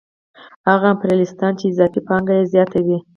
هغه امپریالیستان چې اضافي پانګه یې زیاته وي